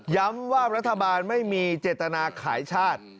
ว่ารัฐบาลไม่มีเจตนาขายชาติ